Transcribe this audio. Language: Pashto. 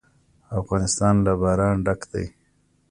افغانستان له باران ډک دی.